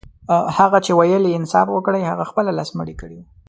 هغه چي ويل يې انصاف وکړئ هغه خپله لس مړي کړي وه.